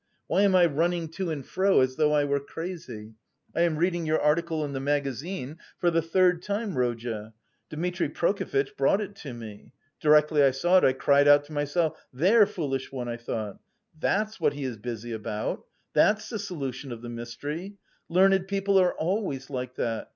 why am I running to and fro as though I were crazy...? I am reading your article in the magazine for the third time, Rodya. Dmitri Prokofitch brought it to me. Directly I saw it I cried out to myself: 'There, foolish one,' I thought, 'that's what he is busy about; that's the solution of the mystery! Learned people are always like that.